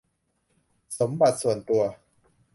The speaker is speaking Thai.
สมบัติส่วนตัว